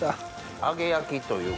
揚げ焼きというか。